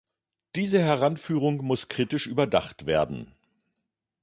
Diese Heranführung muss kritisch überdacht werden.